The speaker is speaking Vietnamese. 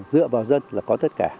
dựa vào dân là có tất cả